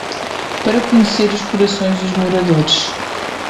Para conhecer os corações dos moradores